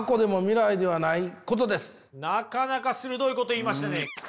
なかなか鋭いこと言いましたね。